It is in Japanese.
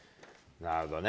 なるほどね。